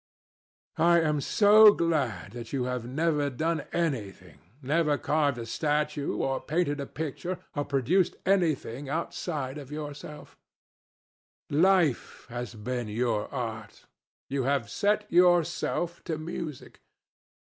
I am so glad that you have never done anything, never carved a statue, or painted a picture, or produced anything outside of yourself! Life has been your art. You have set yourself to music.